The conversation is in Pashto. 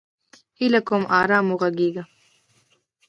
هیله کوم! ارام وغږیږه!